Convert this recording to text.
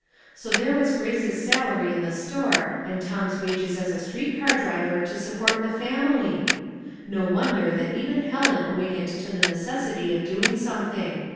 So there was Grace's salary in the store and Tom's wages as a street car driver to support the family I No wonder that even Helen awakened to the necessity of doing something.